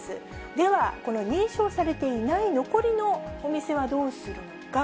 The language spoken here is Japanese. では、この認証されていない残りのお店はどうするのか。